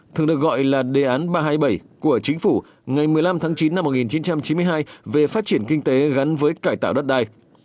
thường được gọi là đề án ba trăm hai mươi bảy của chính phủ ngày một mươi năm tháng chín năm một nghìn chín trăm chín mươi hai về phát triển kinh tế gắn với cải tạo đất đai